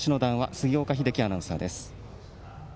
杉岡英樹アナウンサーです。